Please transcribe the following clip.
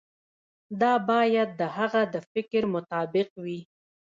دا باید د هغه د فکر مطابق وي.